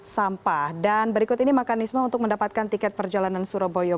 sampah dan berikut ini mekanisme untuk mendapatkan tiket perjalanan surabaya